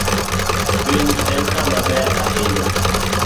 Piny en kama ber ahinya.